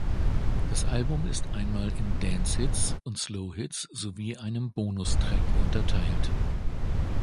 Das Album ist einmal in Dance Hits und Slow Hits sowie einem Bonustrack unterteilt.